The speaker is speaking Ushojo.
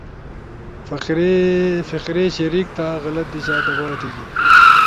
فقرے شریک تھا، غلط دیشا دباؤ تھیگی،